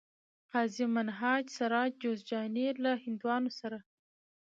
قاضي منهاج سراج جوزجاني له هندوانو سره